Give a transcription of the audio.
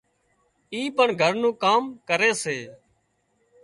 اِي پڻ گھر نُون ڪام ڪري سي